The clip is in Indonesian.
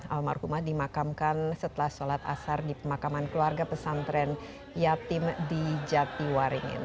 almarhumah dimakamkan setelah sholat asar di pemakaman keluarga pesantren yatim di jatiwaringin